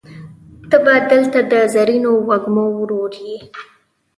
ته به دلته د زرینو وږمو ورور یې